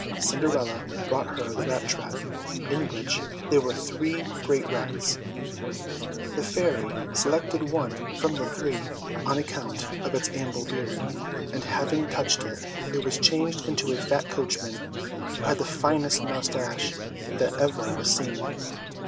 Cinderella brought her the rat trap, in which there were three great rats. The Fairy selected one from the three, on account of its ample beard, and having touched it, it was changed into a fat coachman, who had the finest moustaches that ever were seen.